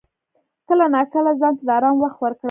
کله ناکله ځان ته د آرام وخت ورکړه.